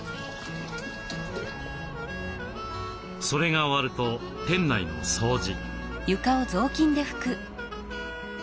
それが終わると店内の掃除。